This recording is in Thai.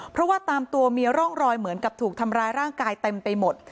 เพราะว่าตามตัวมีร่องรอยเหมือนกับถูกทำร้ายร่างกายเต็มไปหมด